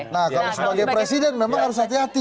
nah kalau sebagai presiden memang harus hati hati